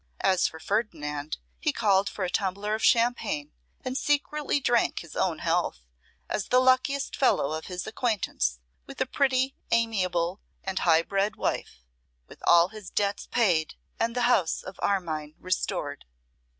As for Ferdinand, he called for a tumbler of champagne, and secretly drank his own health, as the luckiest fellow of his acquaintance, with a pretty, amiable, and high bred wife, with all his debts paid, and the house of Armine restored.